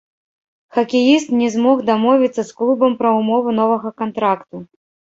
Хакеіст не змог дамовіцца з клубам пра ўмовы новага кантракту.